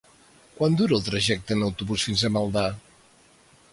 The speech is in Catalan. Quant dura el trajecte en autobús fins a Maldà?